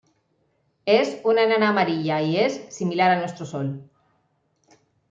Es una enana amarilla y es similar a nuestro Sol.